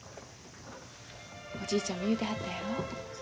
おじいちゃんも言うてはったやろ。